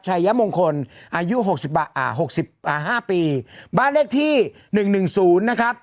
ยมงคลอายุหกสิบอ่าหกสิบอ่าห้าปีบ้านเลขที่หนึ่งหนึ่งศูนย์นะครับ